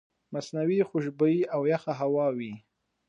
مصنوعي خوشبويئ او يخه وچه هوا وي